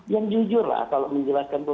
yang jujur lah kalau menjelaskan itu